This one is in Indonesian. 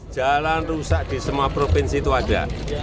jalan rusak di semua provinsi itu ada